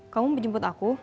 kamu mau jemput aku